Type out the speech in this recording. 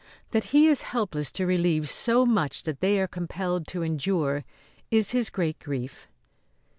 That he is helpless to relieve so much that they are compelled to endure is his great grief.